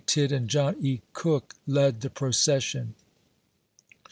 P. Tidd and John E. Cook led the procession.